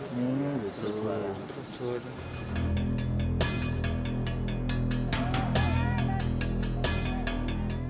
hmm disuruh jualan